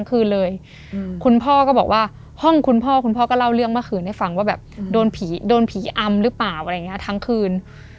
ซึ่งคุณพ่อคุณพ่อก็เล่าเรื่องเมื่อคืนให้ฟังว่าแบบโดนผีอำหรือเปล่าอะไรอย่างนี้ทั้งคืน